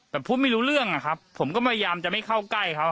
แต่พูดไม่รู้เรื่องอะครับผมก็พยายามจะไม่เข้าใกล้เขา